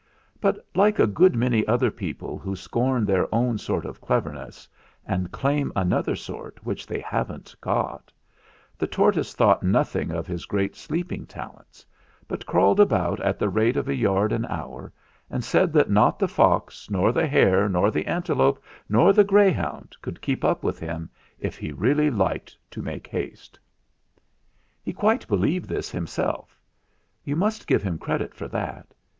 But like a good many other people who scorn their own sort of clev erness and claim another sort which they haven't got, the tortoise thought nothing of his great sleeping talents, but crawled about at the rate of a yard an hour and said that not the fox nor the hare nor the antelope nor the greyhound could keep up with him if he really liked to make haste. "He quite believed this himself. You must give him credit for that.